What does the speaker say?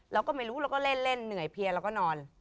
เราก็ไม่รู้เราก็เล่นเหนื่อยเพียเราก็นอน